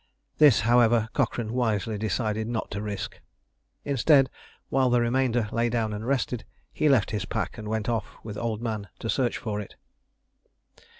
This, however, Cochrane wisely decided not to risk. Instead, while the remainder lay down and rested, he left his pack and went off with Old Man to search for it.